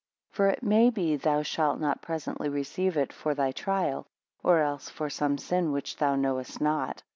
7 For it may be thou shalt not presently receive it for thy trial, or else for some sin which thou knowest not.